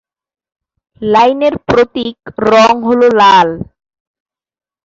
লাইনের প্রতীক রং হল লাল।